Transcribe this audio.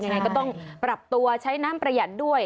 ยังไงก็ต้องปรับตัวใช้น้ำประหยัดด้วย